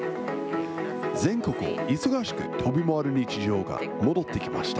全国を忙しく飛び回る日常が戻ってきました。